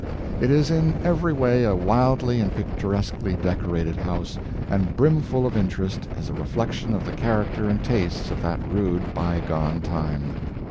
It is in every way a wildly and picturesquely decorated house, and brimful of interest as a reflection of the character and tastes of that rude bygone time.